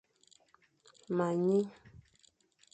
Me nyi,